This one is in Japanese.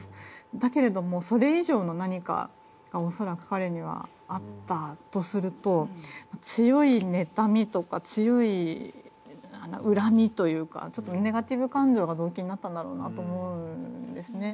だけれどもそれ以上の何かが恐らく彼にはあったとすると強い妬みとか強い恨みというかちょっとネガティブ感情が動機になったんだろうなと思うんですね。